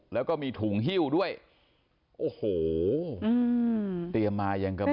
แล้วก็มีถุงฮิ้วด้วยโอ้โหเตรียมมายังกระบอ